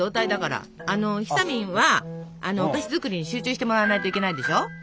ひさみんはお菓子作りに集中してもらわないといけないでしょ？